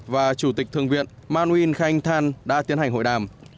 và chủ tịch thượng viện man win khanh than đã tiến hành hội đàm